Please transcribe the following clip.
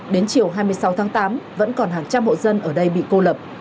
đến chiều hai mươi sáu tháng tám vẫn còn hàng trăm hộ dân ở đây bị cô lập